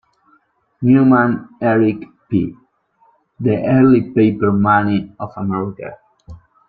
Newman, Eric P. "The Early Paper Money of America".